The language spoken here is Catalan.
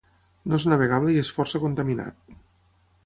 No és navegable i és força contaminat.